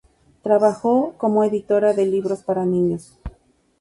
Trabajó como editora de libros para niños.